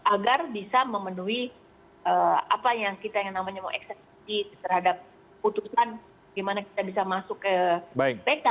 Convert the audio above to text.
agar bisa memenuhi apa yang kita namanya mau eksekusi terhadap keputusan bagaimana kita bisa masuk ke bank